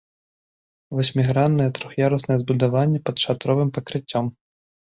Васьміграннае трох'яруснае збудаванне пад шатровым пакрыццём.